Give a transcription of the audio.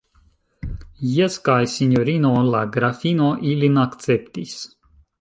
Jes, kaj sinjorino la grafino ilin akceptis.